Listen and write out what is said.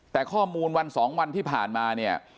แต่ข้อมูลวันสองวันที่ผ่านมา